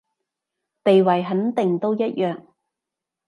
地位肯定都一樣